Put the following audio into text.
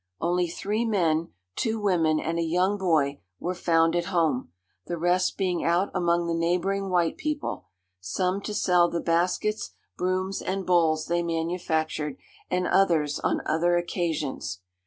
Only three men, two women, and a young boy, were found at home; the rest being out among the neighbouring white people—some to sell the baskets, brooms, and bowls, they manufactured, and others on other occasions.